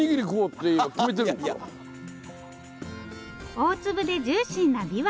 大粒でジューシーなびわ。